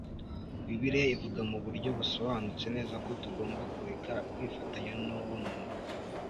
Bibiliya ivuga mu buryo busobanutse neza ko tugomba kureka kwifatanya n uwo muntu